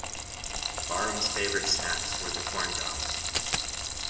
Barham's favorite snacks were the corn dogs.